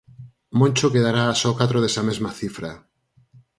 Moncho quedará a só catro desa mesma cifra.